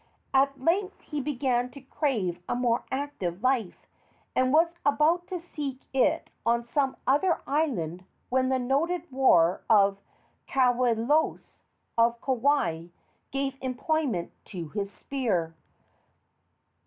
At length he began to crave a more active life, and was about to seek it on some other island when the noted war of the Kawelos, of Kauai, gave employment to his spear.